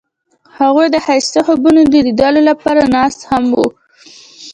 هغوی د ښایسته خوبونو د لیدلو لپاره ناست هم وو.